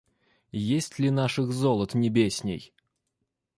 Есть ли наших золот небесней?